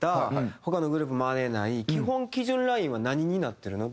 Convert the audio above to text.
「他のグループマネない」基本基準ラインは何になってるの？